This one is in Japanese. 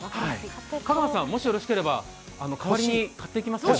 香川さん、もしよろしければ代わりに買っていきますよ。